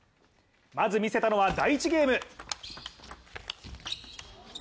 まず見せたのは第１ゲーム。